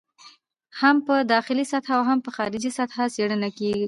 هم په داخلي سطحه او هم په خارجي سطحه څېړنه کړې دي.